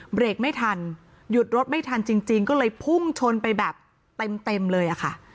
เบรกไม่ทันหยุดรถไม่ทันจริงก็เลยพุ่งชนไปแบบเต็มเลยอะค่ะ